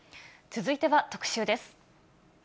続いては特集です。